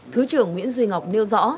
thứ trưởng nguyễn duy ngọc nêu rõ